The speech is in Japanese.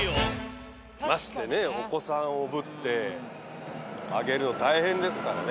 ましてねお子さんをおぶって上げるの大変ですからね。